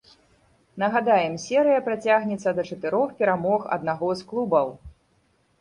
Нагадаем, серыя працягнецца да чатырох перамог аднаго з клубаў.